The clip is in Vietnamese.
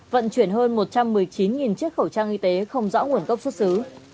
vận chuyển hơn một trăm một mươi chín chiếc khẩu trang y tế không rõ nguồn gốc xuất xứ